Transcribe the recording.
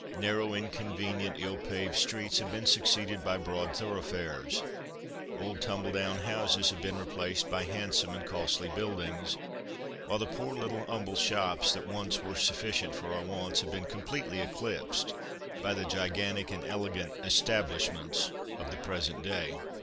Narrow, inconvenient, ill paved streets have been succeeded by broad thoroughfares old tumble down houses have been replaced by handsome and costly buildings, while the poor little humble shops that once were sufficient for our wants have been completely eclipsed by the gigantic and elegant "establishments" of the present day.